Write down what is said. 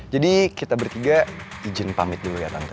jadi kita bertiga izin pamit dulu ya tante